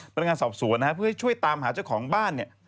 พนักงานสอบสวนนะฮะเพื่อให้ช่วยตามหาเจ้าของบ้านเนี่ย